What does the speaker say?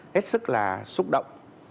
hết sức là xúc động